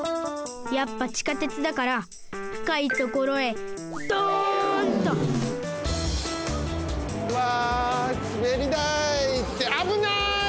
やっぱ地下鉄だからふかいところへドンと！わすべりだい！ってあぶない！